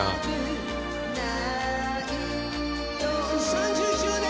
３０周年